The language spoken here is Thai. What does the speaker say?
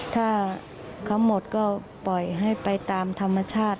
ถ้าเขาหมดก็ปล่อยให้ไปตามธรรมชาติ